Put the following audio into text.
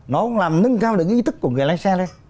nó cũng làm nâng cao được cái ý thức của người lái xe lên